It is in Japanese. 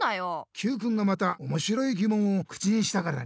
Ｑくんがまたおもしろいぎもんを口にしたからねえ。